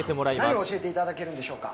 何を教えていただけるんでしょうか。